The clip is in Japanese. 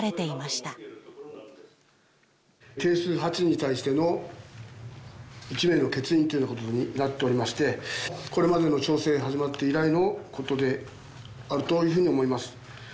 定数８に対しての１名の欠員というようなことになっておりましてこれまでの町政が始まって以来のことであるというふうに思います。